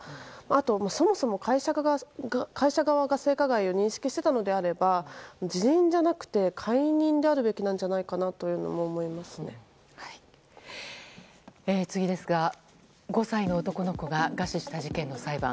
あと、そもそも会社側が性加害を認識しいていたのであれば辞任じゃなくて解任であるべきなんじゃないかなとも次ですが５歳の男の子が餓死した事件の裁判。